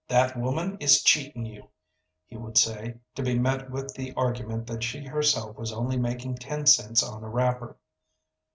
"That woman is cheating you," he would say, to be met with the argument that she herself was only making ten cents on a wrapper.